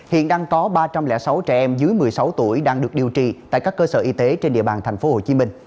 hiện đang có ba trăm linh sáu trẻ em dưới một mươi sáu tuổi đang được điều trị tại các cơ sở y tế trên địa bàn tp hcm